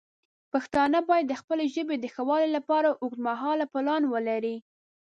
پښتانه باید د خپلې ژبې د ښه والی لپاره اوږدمهاله پلان ولري.